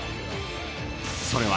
［それは］